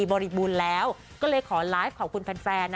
บริบูรณ์แล้วก็เลยขอไลฟ์ขอบคุณแฟน